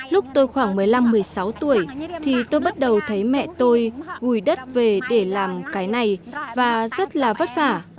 lúc tôi khoảng một mươi năm một mươi sáu tuổi thì tôi bắt đầu thấy mẹ tôi gùi đất về để làm cái này và rất là vất vả